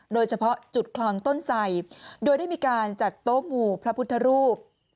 โดยเฉพาะจุดคลองต้นไสโดยได้มีการจัดโต๊ะหมู่พระพุทธรูป